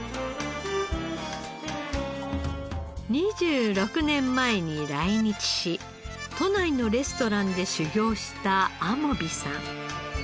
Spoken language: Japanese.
２６年前に来日し都内のレストランで修業したアモビさん。